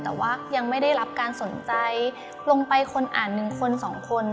แต่ว่ายังไม่ได้รับการสนใจลงไปคนอ่านหนึ่งคนสองคน